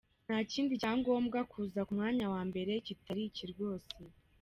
Nta kindi cyagomba kuza ku mwanya wa mbere kitari iki rwose.